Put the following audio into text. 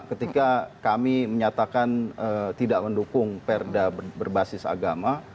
ketika kami menyatakan tidak mendukung perda berbasis agama